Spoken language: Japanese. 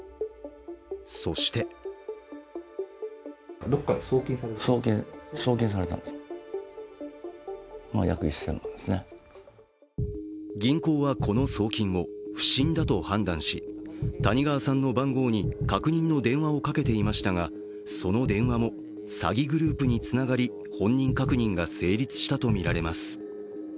そして銀行はこの送金を不審だと判断し谷川さんの番号に確認の電話をかけていましたがその電話も詐欺グループにつながり本人確認が成立したとみられます。